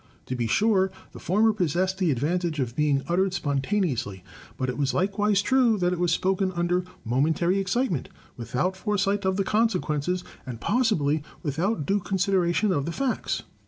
To be sure, the former possessed the advantage of being uttered sponta neously; but it was likewise true that it was spoken under momen tary excitement, without foresight of the consequences, and possibly without due consideration of the facts.